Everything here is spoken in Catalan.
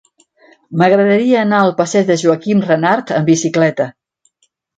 M'agradaria anar al passeig de Joaquim Renart amb bicicleta.